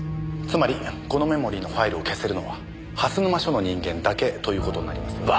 つまりこのメモリーのファイルを消せるのは蓮沼署の人間だけという事になりますよね？